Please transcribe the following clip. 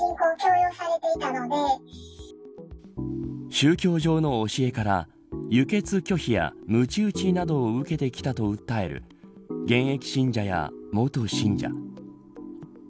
宗教上の教えから輸血拒否やむち打ちなどを受けてきたと訴える現役信者や元信者。